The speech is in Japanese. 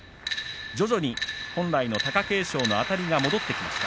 徐々に本来の貴景勝のあたりが戻ってきました。